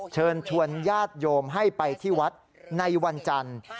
เชิญชวนญาติโยมให้ไปที่วัดในวันจันทร์